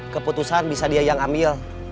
keputusan bisa dia yang ambil